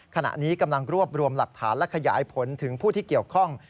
ขณะนี้กำลังรวบรวมหลักฐานและขยายผลถึงผู้ที่เกี่ยวข้อง